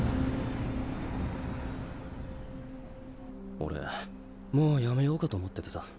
オレもうやめようかとおもっててさ。